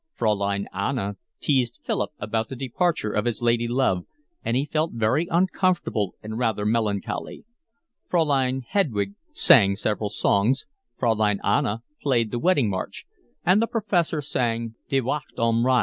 Fraulein Anna teased Philip about the departure of his lady love, and he felt very uncomfortable and rather melancholy. Fraulein Hedwig sang several songs, Fraulein Anna played the Wedding March, and the Professor sang Die Wacht am Rhein.